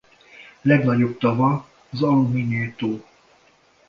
Legnagyobb tava az Aluminé-tó.